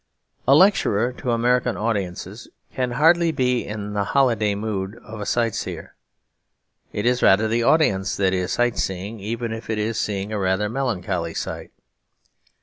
A lecturer to American audiences can hardly be in the holiday mood of a sight seer. It is rather the audience that is sight seeing; even if it is seeing a rather melancholy sight.